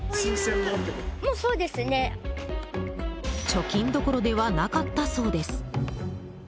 貯金どころではなかったそうです。